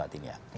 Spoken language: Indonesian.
saat ini ya